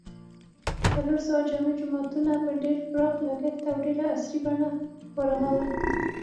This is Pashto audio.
څلورسوه جامع جوماتونه په ډېر پراخ لګښت او ډېره عصري بڼه و رغول